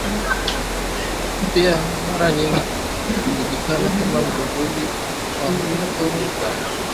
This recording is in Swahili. pia mara nyingi hujulikana kama mvumbuzi wa mto Kama historia ya Augusta inavyosema